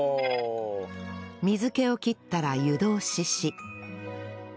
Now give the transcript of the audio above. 水気を切ったら湯通しし